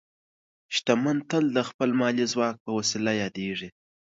شتمن تل د خپل مالي ځواک په وسیله یادېږي.